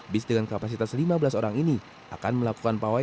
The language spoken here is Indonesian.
bis dengan kapasitas lima belas orang ini akan melakukan pawai